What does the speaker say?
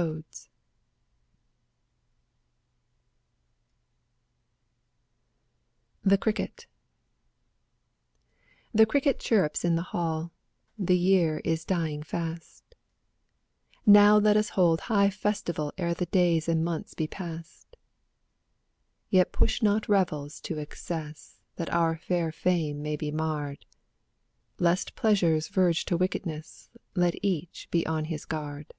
Odes THE CRICKET The cricket chirrups in the hall, The year is dying fast; Now let us hold high festival ^^ Ere the days and months be past. Yet push not revels to excess That our fair fame be marred ; ¥^^f Lest pleasures verge to wickedness %1 ^ Let each be on his guard.